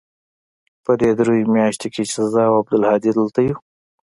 په دې درېو مياشتو کښې چې زه او عبدالهادي دلته يو.